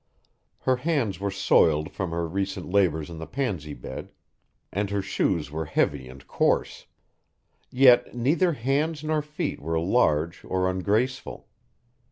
Her hands were soiled from her recent labours in the pansy bed, and her shoes were heavy and coarse; yet neither hands nor feet were large or ungraceful.